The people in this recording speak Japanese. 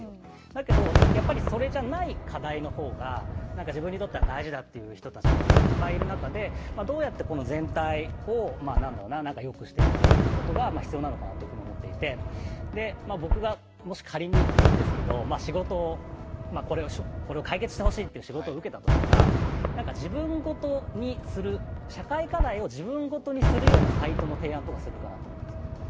だけど、それじゃない課題の方が自分にとっては大事だという人もいっぱいいる中で、どうやって全体をよくしていくかということが必要なのかなと思っていて僕がもし仮にですけど、これを解決してほしいという仕事を受けたら、社会課題を自分事にするようなサイトの提案をするかなって。